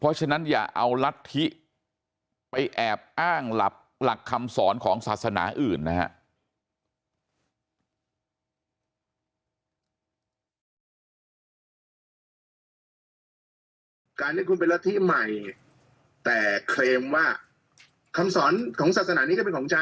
เพราะฉะนั้นอย่าเอารัฐธิไปแอบอ้างหลักคำสอนของศาสนาอื่นนะฮะ